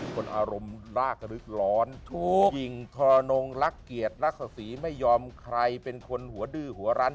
คนอารมณ์รากรึกร้อนถูกยิงทรนงรักเกียรติรักษศรีไม่ยอมใครเป็นคนหัวดื้อหัวรั้น